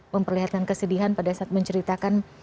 memperlihatkan kesedihan pada saat menceritakan